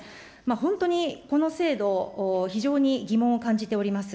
本当にこの制度、非常に疑問を感じております。